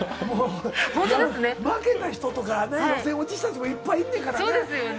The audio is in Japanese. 負けた人とか、予選落ちした人もいっぱいいんのやからね。